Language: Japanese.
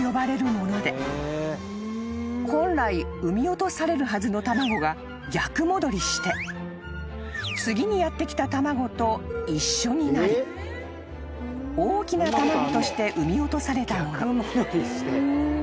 ［本来産み落とされるはずの卵が逆戻りして次にやって来た卵と一緒になり大きな卵として産み落とされたもの］